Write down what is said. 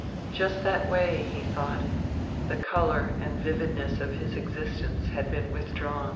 Just that way, he thought, the color and vividness of his existence had been withdrawn.